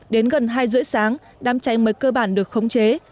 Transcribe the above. đến gần hai h ba mươi sáng đám cháy mới cơ bản được khống chế